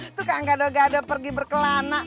itu kayak gado gado pergi berkelana